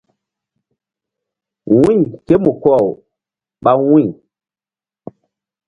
Wu̧y ké mu ko-aw ɓa wu̧y.